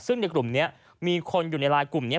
ซึ่งในกลุ่มนี้มีคนอยู่ในไลน์กลุ่มนี้